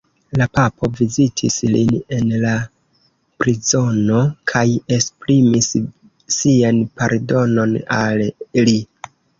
La papo vizitis lin en la prizono kaj esprimis sian pardonon al li.